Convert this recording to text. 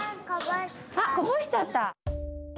あこぼしちゃった？